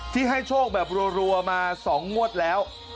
ที่ให้โชคแบบรัวมา๒งวดแล้ว